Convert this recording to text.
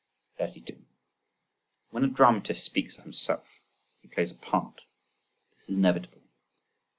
32. When a dramatist speaks about himself he plays a part: this is inevitable.